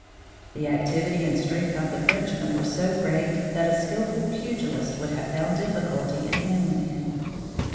The activity and strength of the Frenchman were so great that a skilful pugilist would have found difficulty in handling him.